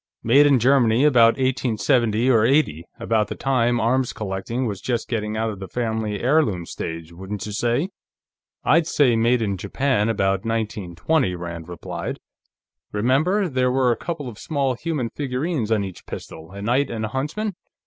"Made in Germany, about 1870 or '80, about the time arms collecting was just getting out of the family heirloom stage, wouldn't you say?" "I'd say made in Japan, about 1920," Rand replied. "Remember, there were a couple of small human figures on each pistol, a knight and a huntsman?